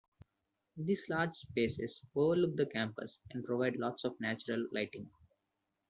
These large spaces overlook the campus and provide lots of natural lighting.